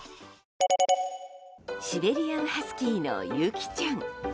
シベリアンハスキーのユキちゃん。